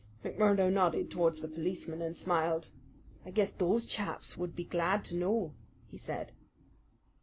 McMurdo nodded towards the policemen and smiled. "I guess those chaps would be glad to know," he said.